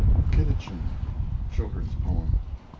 KIDITCHIN (children's poem).